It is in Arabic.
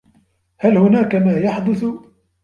هل هناك ما يحدث؟